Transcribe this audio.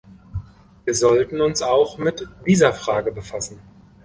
Wir sollten uns auch mit dieser Frage befassen.